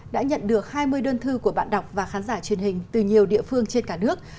đã nhận được hai mươi đơn thư của bạn đọc và khán giả truyền hình từ nhiều địa phương trên cả nước